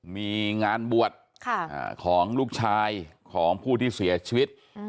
มีงานบวชค่ะอ่าของลูกชายของผู้ที่เสียชีวิตอืม